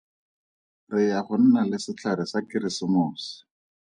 Re ya go nna le setlhare sa Keresemose.